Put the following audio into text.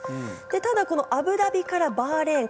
ただアブダビからバーレーン